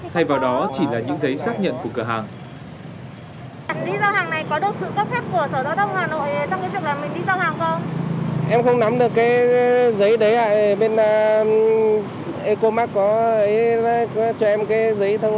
thay vào đó chỉ cần xuất trình giấy phép phiêu chính đã đảm bảo được lưu thông